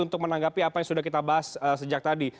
untuk menanggapi apa yang sudah kita bahas sejak tadi